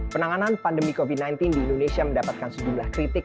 penanganan pandemi covid sembilan belas di indonesia mendapatkan sejumlah kritik